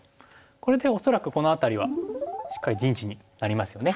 これで恐らくこの辺りはしっかり陣地になりますよね。